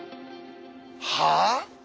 はあ？